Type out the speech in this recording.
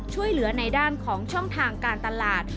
ช่วยเหลือในด้านของช่องทางการตลาด